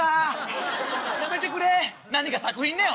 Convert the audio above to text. やめてくれ何が作品だよ。